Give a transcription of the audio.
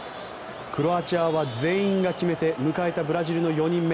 クロアチアは全員が決めて迎えたブラジルの４人目。